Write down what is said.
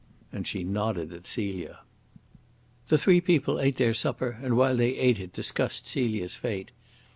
And she nodded at Celia. The three people ate their supper, and, while they ate it, discussed Celia's fate.